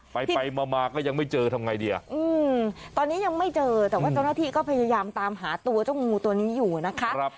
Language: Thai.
ไปไปมามาก็ยังไม่เจอทำไงดีอ่ะอืมตอนนี้ยังไม่เจอแต่ว่าเจ้าหน้าที่ก็พยายามตามหาตัวเจ้างูตัวนี้อยู่นะคะ